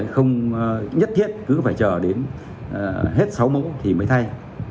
không nhất thiết cứ phải chờ đến hết sáu mẫu thì mới thay